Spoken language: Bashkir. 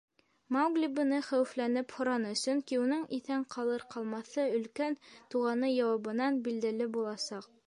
— Маугли быны хәүефләнеп һораны, сөнки уның иҫән ҡалыр-ҡалмаҫы Өлкән туғаны яуабынан билдәле буласаҡ.